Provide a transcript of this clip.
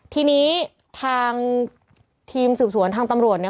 ทีนี้ทางทีมสืบสวนทางตำรวจเนี่ย